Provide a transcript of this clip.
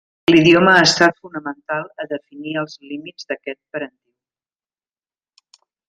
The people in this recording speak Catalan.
L'idioma ha estat fonamental a definir els límits d'aquest parentiu.